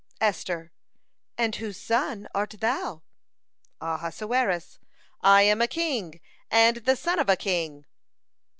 Esther: "And whose son art thou?" Ahasuerus: "I am a king, and the son of a king."